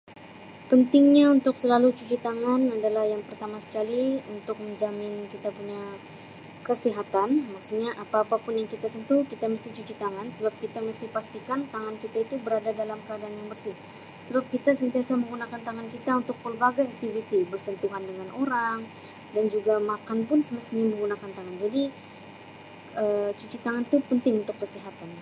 Pentingnya untuk selalu cuci tangan adalah yang pertama sekali untuk menjamin kita punya kesihatan maksudnya apa-apa pun yang kita sentuh kita mesti cuci tangan sebab kita mesti pastikan tangan kita itu berada dalam keadaan yang bersih sebab kita sentiasa menggunakan tangan kita untuk pelbagai aktiviti bersentuhan dengan orang dan juga makan pun semestinya menggunakan tangan jadi Um cuci tangan tu penting untuk kesihatan.